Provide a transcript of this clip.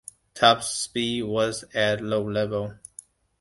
Top speed was at low level.